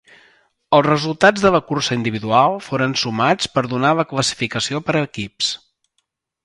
Els resultats de la cursa individual foren sumats per donar la classificació per equips.